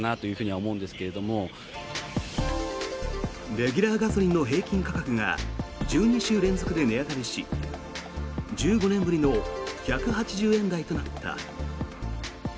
レギュラーガソリンの平均価格が１２週連続で値上がりし１５年ぶりの１８０円台となった。